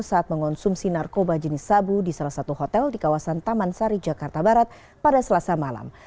saat mengonsumsi narkoba jenis sabu di salah satu hotel di kawasan taman sari jakarta barat pada selasa malam